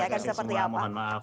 terima kasih semua mohon maaf